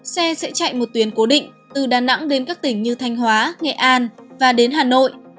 xe sẽ chạy một tuyến cố định từ đà nẵng đến các tỉnh như thanh hóa nghệ an và đến hà nội